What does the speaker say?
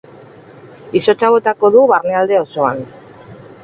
Izotza botako du barnealde osoan.